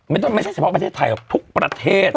ไม่ใช่เฉพาะประเทศไทยหรอกทุกประเทศ